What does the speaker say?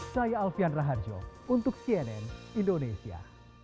saya alfian raharjo untuk cnn indonesia